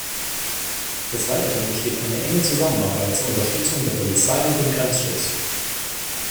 Des Weiteren besteht eine enge Zusammenarbeit zur Unterstützung der Polizei und dem Grenzschutz.